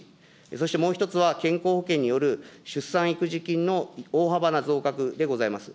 そしてもう一つは健康保険による出産育児金の大幅な増額でございます。